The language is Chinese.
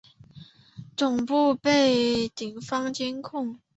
总部被警方监控。